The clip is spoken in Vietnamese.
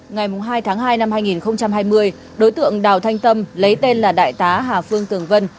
ngày hai tháng hai năm hai nghìn hai mươi đối tượng đào thanh tâm lấy tên là đại tá hà phương tường vân